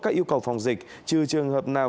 các yêu cầu phòng dịch trừ trường hợp nào